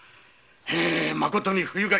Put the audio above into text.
まことに不愉快！